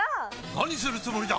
何するつもりだ！？